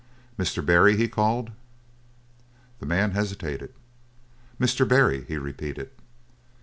"Mr. Barry!" he called. The man hesitated. "Mr. Barry," he repeated.